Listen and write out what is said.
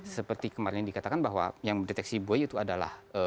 seperti kemarin dikatakan bahwa yang deteksi buoy itu adalah